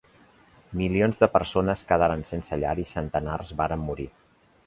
Milions de persones quedaren sense llar i centenars vàrem morir.